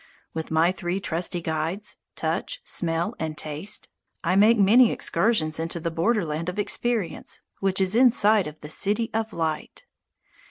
With my three trusty guides, touch, smell, and taste, I make many excursions into the borderland of experience which is in sight of the city of Light.